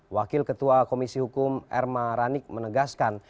wakil ketua komisi hukum erma ranik menegaskan